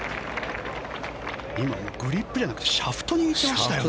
今、グリップじゃなくてシャフト握ってましたよね。